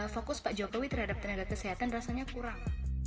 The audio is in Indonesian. fokus pak jokowi terhadap tenaga kesehatan rasanya kurang